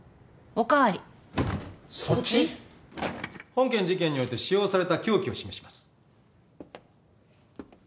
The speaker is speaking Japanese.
本件事件において使用された凶器を示します。